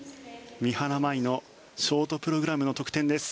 三原舞依のショートプログラムの得点です。